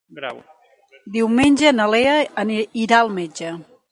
Diumenge na Lea irà al metge.